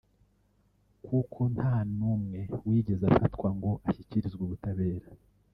kuko nta numwe wigeze afatwa ngo ashyikirizwe ubutabera